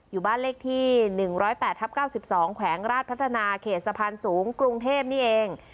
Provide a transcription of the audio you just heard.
อยู่บ้านเลขที่๑๐๘ทับ๙๒แขวงราชพัฒนาเขตสะพานสูงกรุงเทพนี่เอง